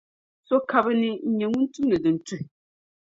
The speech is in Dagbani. so ka bɛ ni n-nyɛ ŋun tumdi din tuhi.